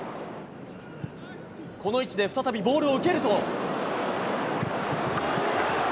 この位置で再びボールを受けると。